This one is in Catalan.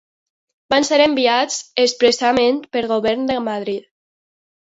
Van ser enviats expressament pel Govern de Madrid.